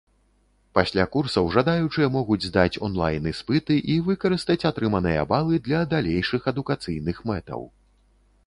Пасля курсаў жадаючыя могуць здаць онлайн-іспыты і выкарыстаць атрыманыя балы для далейшых адукацыйных мэтаў.